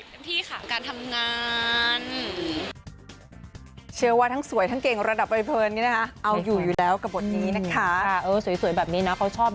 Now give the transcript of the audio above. ที่ค่ะการทำงาน